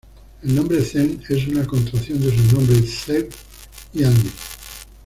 El nombre Zend es una contracción de sus nombres, Zeev y Andi.